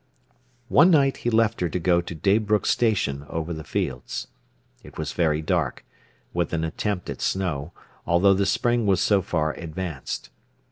One night he left her to go to Daybrook Station over the fields. It was very dark, with an attempt at snow, although the spring was so far advanced.